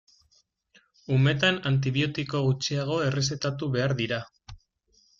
Umetan antibiotiko gutxiago errezetatu behar dira.